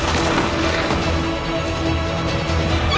あ！